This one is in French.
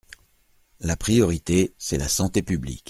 La priorité, c’est la santé publique.